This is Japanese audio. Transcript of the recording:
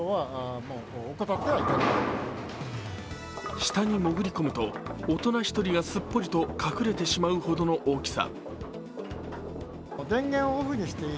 下に潜り込むと大人１人がすっぽりと隠れてしまうほどの大きさ。